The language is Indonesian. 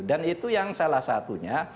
dan itu yang salah satunya